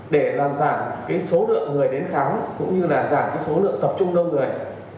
để làm giảm số lượng người đến khám cũng như là giảm số lượng tập trung đông người